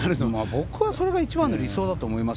僕はそれが一番理想だと思います。